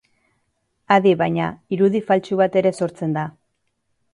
Adi baina, irudi faltsu bat ere sortzen da.